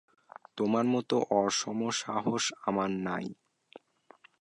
তোমার মতো অসমসাহস আমার নেই।